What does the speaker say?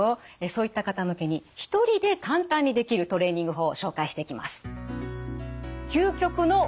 そういった方向けに一人で簡単にできるトレーニング法を紹介していきます。